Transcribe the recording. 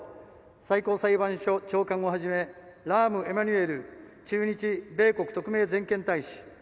最高裁判所長官をはじめラーム・エマニュエル駐日米国特命全権大使